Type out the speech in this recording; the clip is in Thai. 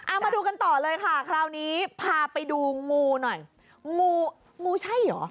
เอามาดูกันต่อเลยค่ะคราวนี้พาไปดูงูหน่อยงูงูใช่เหรอ